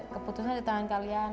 keputusannya di tangan kalian